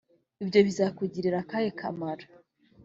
ibyo bizakugirira akahe kamaro